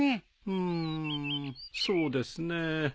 うーんそうですねえ。